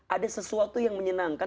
ada sesuatu yang menyenangkan